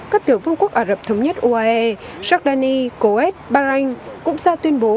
các tiểu vương quốc ả rập thống nhất uae jordani kuwait bahrain cũng ra tuyên bố